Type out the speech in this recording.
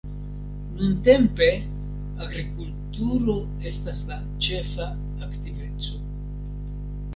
Nuntempe agrikulturo estas la ĉefa aktiveco.